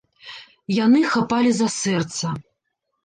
Яны хапалі за сэрца.